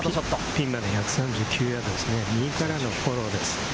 ピンまで１３９ヤード、右からのフォローです。